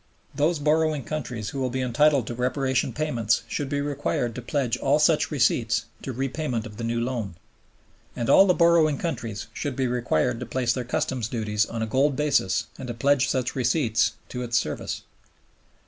Those borrowing countries who will be entitled to Reparation payments should be required to pledge all such receipts to repayment of the new loan. And all the borrowing countries should be required to place their customs duties on a gold basis and to pledge such receipts to its service.